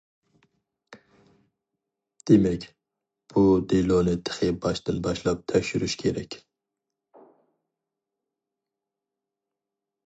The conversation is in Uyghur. دېمەك، بۇ دېلونى تېخى باشتىن باشلاپ تەكشۈرۈش كېرەك.